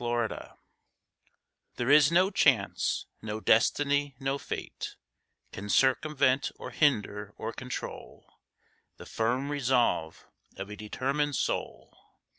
WILL There is no chance, no destiny, no fate, Can circumvent or hinder or control The firm resolve of a determined soul.